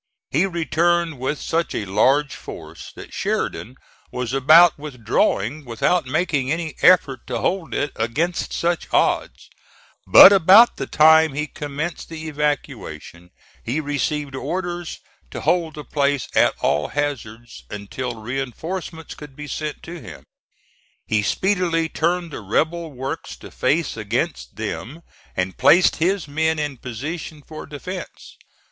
He returned with such a large force that Sheridan was about withdrawing without making any effort to hold it against such odds; but about the time he commenced the evacuation he received orders to hold the place at all hazards, until reinforcements could be sent to him. He speedily turned the rebel works to face against them and placed his men in position for defence.